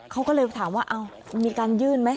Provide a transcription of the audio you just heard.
เขาก็เลยไปถามว่าเอามีการยื่นมั้ย